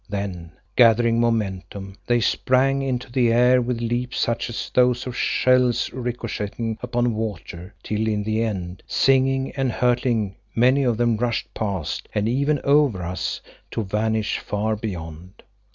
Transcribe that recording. Then gathering momentum, they sprang into the air with leaps such as those of shells ricocheting upon water, till in the end, singing and hurtling, many of them rushed past and even over us to vanish far beyond.